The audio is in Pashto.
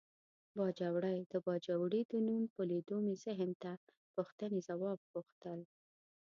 باجوړی د باجوړي د نوم په لیدو مې ذهن ته پوښتنې ځواب غوښتل.